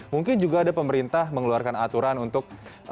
mungkin juga ada pemerintah mengeluarkan aturan untuk